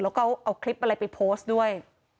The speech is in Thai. แล้วก็เอาคลิปอะไรไปโพสต์ด้วย